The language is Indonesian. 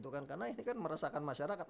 karena ini kan meresahkan masyarakat